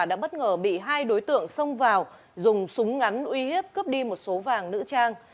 đã bất ngờ bị hai đối tượng xông vào dùng súng ngắn uy hiếp cướp đi một số vàng nữ trang